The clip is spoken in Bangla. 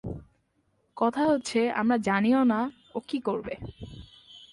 কথা হচ্ছে আমরা জানি না ও কী করবে।